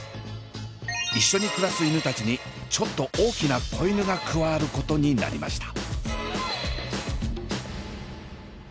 一緒に暮らす犬たちにちょっと大きな子犬が加わることになりました。